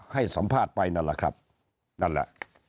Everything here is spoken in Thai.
ให้สัมภาษณ์ไปนั่นแหละครับนั่นแหละ